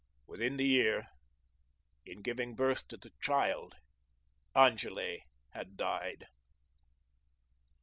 Within the year, in giving birth to the child, Angele had died.